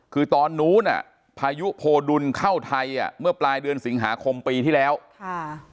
คือตอนนู้นอ่ะพายุโพดุลเข้าไทยอ่ะเมื่อปลายเดือนสิงหาคมปีที่แล้วค่ะ